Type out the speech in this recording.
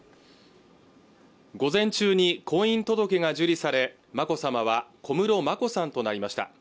午前中に婚姻届が受理され眞子さまは小室眞子さんとなりました